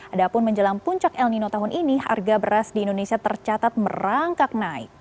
adapun menjelang puncak el nino tahun ini harga beras di indonesia tercatat merangkak naik